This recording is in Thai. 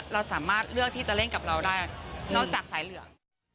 เราสามารถเลือกที่จะเล่นกับเราได้นอกจากสายเหลือง